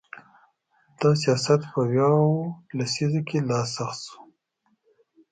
دا سیاست په ویاو لسیزه کې لا سخت شو.